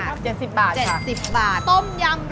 ๗๐บาทค่ะเจ็ดสิบบาทต้มยำรวมมิตรชามแล้วเท่าไหร่คะ